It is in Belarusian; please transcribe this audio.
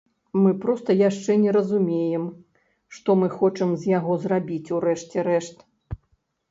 Мы проста яшчэ не разумеем, што мы хочам з яго зрабіць у рэшце рэшт.